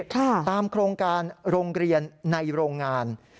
ตามโครงการโรงเรียนในโรงงาน